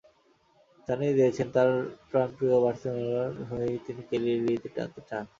জানিয়ে দিয়েছেন, তাঁর প্রাণ-প্রিয় বার্সেলোনার হয়েই তিনি ক্যারিয়ারের ইতি টানতে চান।